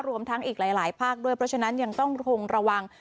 รวมทั้งอีกหลายภาคด้วยเพราะฉะนั้นยังต้องคงระวัง